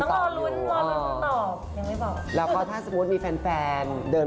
อะไรอย่างนี้ตีเนียนเป็นเพื่อน